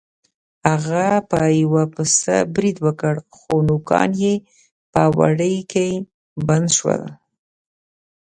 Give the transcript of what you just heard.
هغه په یو پسه برید وکړ خو نوکان یې په وړۍ کې بند شول.